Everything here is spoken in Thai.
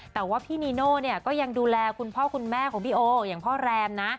แต่ว่าพี่นีโน่เนี่ยก็ยังดูแลคุณพ่อคุณแม่ของพี่โออย่างพ่อแรมนะ